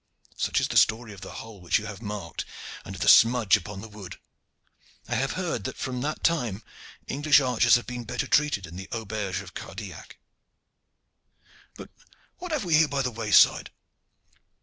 Such is the story of the hole which you have marked, and of the smudge upon the wood. I have heard that from that time English archers have been better treated in the auberge of Cardillac. But what have we here by the wayside?"